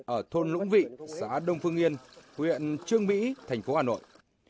ở thôn lũng vị xã đông phương yên huyện trương mỹ thành phố hà nội